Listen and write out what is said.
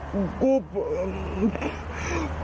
กูกูเป็นตำรวจนะ